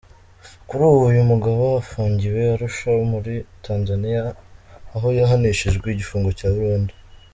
Kuri ubu uyu mugabo afungiwe Arusha muri Tanzania, aho yahanishijwe igifungo cya burundu.